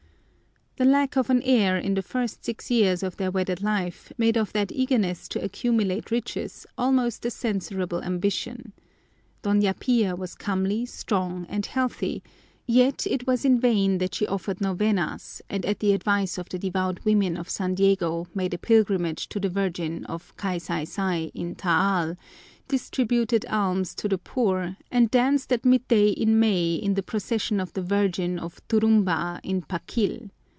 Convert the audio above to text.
The lack of an heir in the first six years of their wedded life made of that eagerness to accumulate riches almost a censurable ambition. Doña Pia was comely, strong, and healthy, yet it was in vain that she offered novenas and at the advice of the devout women of San Diego made a pilgrimage to the Virgin of Kaysaysay in Taal, distributed alms to the poor, and danced at midday in May in the procession of the Virgin of Turumba in Pakil.